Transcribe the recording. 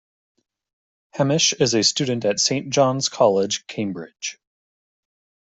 Hamish is a student at Saint John's College, Cambridge.